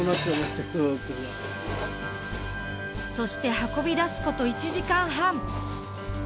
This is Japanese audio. そして運び出すこと１時間半。